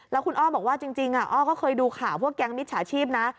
แล้วคุณอ้อบอกว่าจริงอ้อก็เคยดูข่าวพวกแก๊งมิจฉาชีพนะ